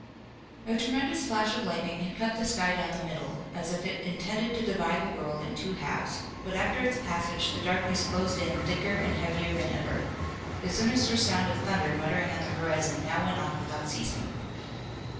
A tremendous flash of lightning had cut the sky down the middle, as if it intended to divide the world in two halves, but after its passage the darkness closed in thicker and heavier than ever. The sinister sound of thunder muttering on the horizon now went on without ceasing.